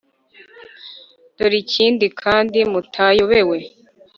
dore ikindi kandi mutayobewe